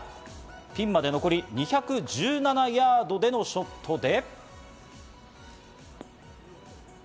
ピンまで残り２１７ヤードでのショットで。